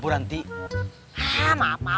bukannya saya kurang ajar